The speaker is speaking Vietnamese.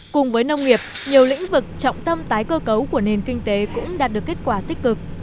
cùng với nông nghiệp nhiều lĩnh vực trọng tâm tái cơ cấu của nền kinh tế cũng đạt được kết quả tích cực